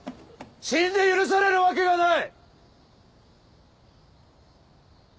死んで許されるわけがない！